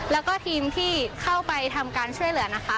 แล้วก็ทีมที่เข้าไปทำการช่วยเหลือนะคะ